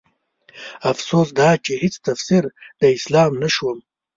افسوس دا چې هيڅ تفسير د اسلام نه شوم